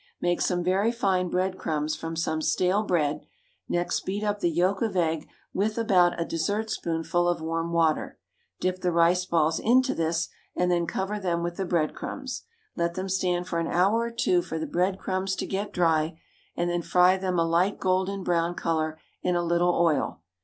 Make some very fine bread crumbs from some stale bread; next beat up the yolk of egg with about a dessertspoonful of warm water. Dip the rice balls into this, and then cover them with the bread crumbs. Let them stand for an hour or two for the bread crumbs to get dry, and then fry them a light golden brown colour in a little oil.